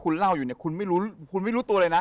คุณเล่าอยู่เนี่ยคุณไม่รู้ตัวเลยนะ